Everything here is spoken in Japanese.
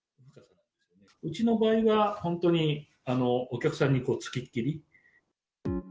うちの場合は、本当にお客さんにつきっきり。